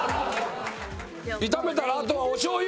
炒めたらあとはおしょう油。